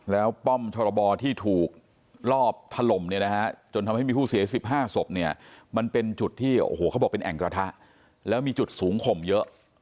แล้วป้อมชรบที่ถูกรอบถล่มเนี่ยนะฮะจนทำให้มีผู้เสียชีวิต๑๕ศพเนี่ยมันเป็นจุดที่โอ้โหเขาบอกเป็นแอ่งกระทะแล้วมีจุดสูงข่มเยอะ